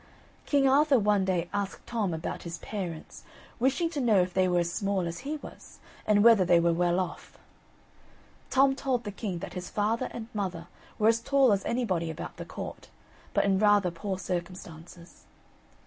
King Arthur one day asked Tom about his parents, wishing to know if they were as small as he was, and whether they were well off. Tom told the king that his father and mother were as tall as anybody about the court, but in rather poor circumstances.